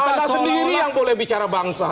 kita sendiri yang boleh bicara bangsa